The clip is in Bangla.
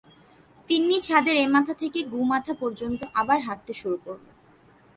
তিন্নি ছাদের এ-মাথা থেকে গু-মাথা পর্যন্ত আবার হাঁটতে শুরু করল।